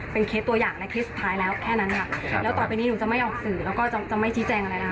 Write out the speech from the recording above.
เป็นเคสตัวอย่างและเคสสุดท้ายแล้วแค่นั้นค่ะครับแล้วต่อไปนี้หนูจะไม่ออกสื่อแล้วก็จะไม่ชี้แจงอะไรนะคะ